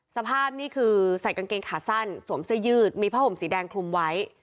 สภาพนี่คือใส่กางเกงขาสั้นสวมเสื้อยืดมีผ้าห่มสีแดงคลุมไว้